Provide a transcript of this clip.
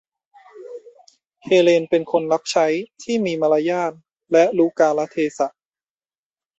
เฮเลนเป็นคนรับใช้ที่มีมารยาทและรู้กาลเทศะ